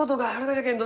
じゃけんど